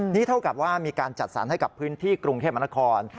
นี่เท่ากับว่ามีการจัดสรรให้กับพื้นที่กรุงเทพมนาคม